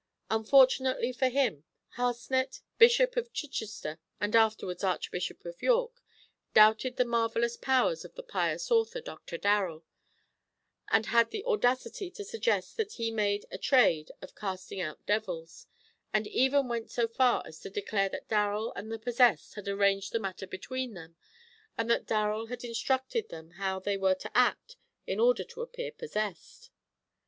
Unfortunately for him, Harsnett, Bishop of Chichester, and afterwards Archbishop of York, doubted the marvellous powers of the pious author, Dr. Darrell, and had the audacity to suggest that he made a trade of casting out devils, and even went so far as to declare that Darrell and the possessed had arranged the matter between them, and that Darrell had instructed them how they were to act in order to appear possessed.